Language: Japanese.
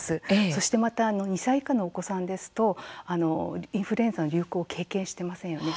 そして、また２歳以下のお子さんですとインフルエンザの流行を経験してませんよね。